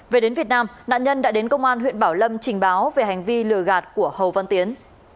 về đến việt nam nạn nhân đã đến công an huyện bảo lâm trình báo về hành vi lừa gạt của hầu văn tiến